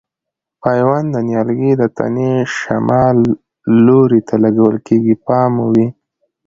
پیوند د نیالګي د تنې شمال لوري ته لګول کېږي پام مو وي.